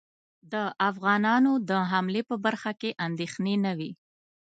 د افغانانو د حملې په برخه کې اندېښنې نه وې.